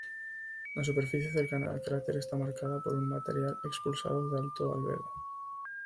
La superficie cercana al cráter está marcada por un material expulsado de alto albedo.